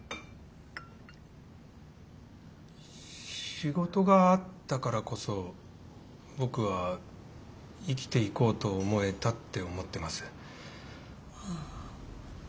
仕事があったからこそ僕は生きていこうと思えたって思ってます。